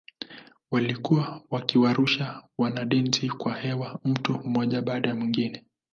Walikuwa wakiwarusha wanadensi kwa hewa mtu mmoja baada ya mwingine.